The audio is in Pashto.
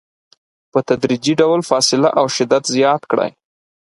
په تدریجي ډول فاصله او شدت زیات کړئ.